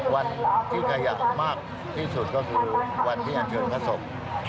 วันที่ขยันมากที่สุดก็คือวันที่อันเชิญพระศพ